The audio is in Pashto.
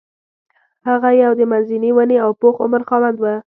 هغه یو د منځني ونې او پوخ عمر خاوند و.